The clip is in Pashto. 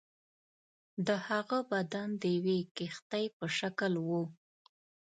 د هغه بدن د یوې کښتۍ په شکل وو.